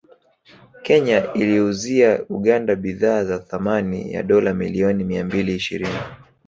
Kenya iliiuzia Uganda bidhaa za thamani ya dola milioni mia mbili ishirini